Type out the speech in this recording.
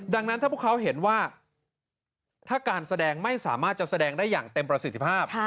ดังนั้นถ้าพวกเขาเห็นว่าถ้าการแสดงไม่สามารถจะแสดงได้อย่างเต็มประสิทธิภาพ